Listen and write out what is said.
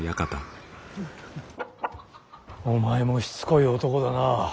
お前もしつこい男だな。